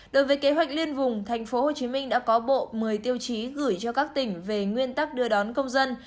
đối với kế hoạch liên vùng tp hcm đã có bộ một mươi tiêu chí gửi cho các tỉnh về nguyên tắc đưa đón công dân